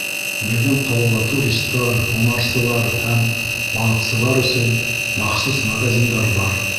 Беҙҙең ҡалала туристар, һунарсылар һәм балыҡсылар өсөн махсус магазиндар бар.